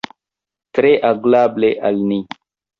Tre agrable al ni!